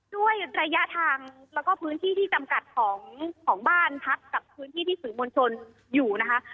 ด้วยระยะทางแล้วก็พื้นที่ที่จำกัดของบ้านพักกับพื้นที่ที่สื่อมวลชนอยู่นะคะ